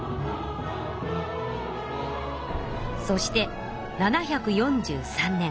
そして７４３年。